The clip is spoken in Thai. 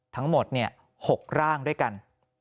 ทั้งหมด๖ร่างด้วยกัน